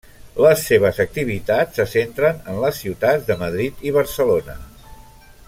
Les seves activitats se centren en les ciutats de Madrid i Barcelona.